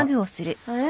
あれ？